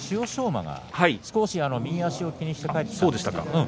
馬が少し右足を気にして帰ってきました。